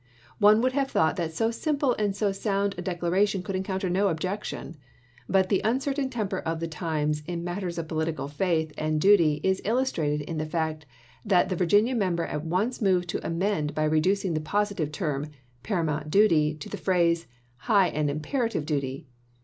One would have thought that so simple and so sound a declaration could encounter no objection; but the uncertain temper of the times in matters of political faith and duty is illustrated in the fact that the Virginia member at once moved to amend by reducing the positive term, "paramount duty," to the phrase, "high and imperative duty."